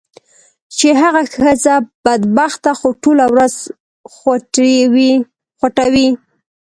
چې هغه ښځه بدبخته خو ټوله ورځ خوټوي.